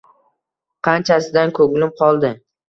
Qanchasidan ko’nglim qoldi.